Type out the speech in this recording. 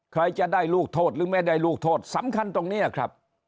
ใครจะได้ลูกโทษหรือไม่ได้ลูกโทษสำคัญตรงนี้ครับ